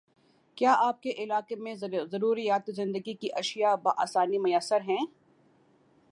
کیا آپ کے علاقے میں ضروریاتِ زندگی کی اشیاء باآسانی میسر ہیں؟